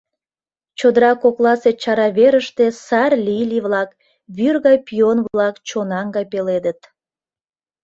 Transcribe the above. Чодыра кокласе чара верыште сар лилий-влак, вӱр гай пион-влак чонан гай пеледыт.